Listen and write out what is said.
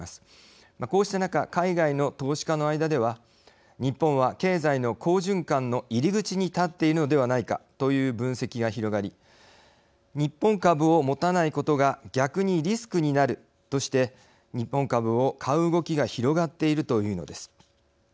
こうした中海外の投資家の間では日本は経済の好循環の入り口に立っているのではないかという分析が広がり日本株を持たないことが逆にリスクになるとして日本株を買う動きが広がっているというのです。